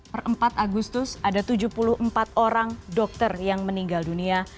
per empat agustus ada tujuh puluh empat orang dokter yang meninggal dunia